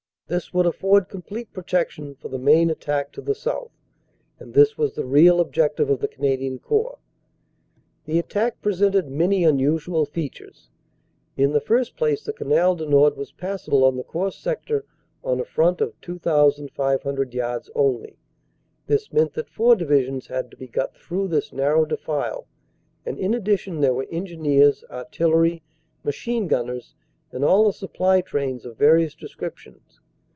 This would afford complete protection for the main attack to the south and this was the real objective of the Canadian Corps. .. "The attack presented many unusual features. In the first place the Canal du Nord was passable on the Corps sector on a front of 2,500 yards only. This meant that four divisions had to be got through this narrow defile, and in addition there were engineers, artillery, machine gunners and all the supply trains of various descriptions.